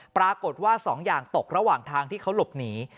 ปรากฏว่า๒อย่างตกระหว่างทางที่เขาหลบหนี